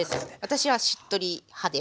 私はしっとり派です。